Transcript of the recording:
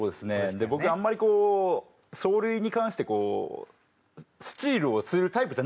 で僕あんまり走塁に関してスチールをするタイプじゃなかったので。